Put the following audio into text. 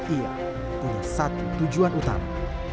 ia punya satu tujuan utama